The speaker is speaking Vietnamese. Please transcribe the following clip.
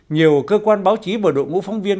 nhiều cơ quan báo chí và đội ngũ phóng viên